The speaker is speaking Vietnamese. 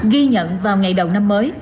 ghi nhận vào ngày đầu năm mới